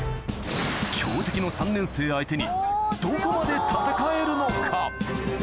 強敵の３年生相手にどこまで戦えるのか？